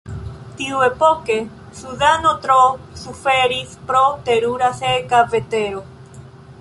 Tiuepoke, Sudano tro suferis pro terura seka vetero.